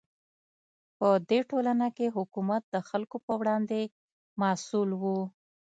په دې ټولنه کې حکومت د خلکو په وړاندې مسوول و.